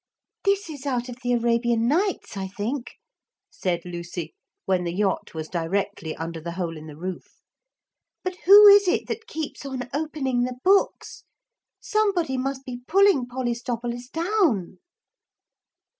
'This is out of the Arabian Nights, I think,' said Lucy, when the yacht was directly under the hole in the roof. 'But who is it that keeps on opening the books? Somebody must be pulling Polistopolis down.'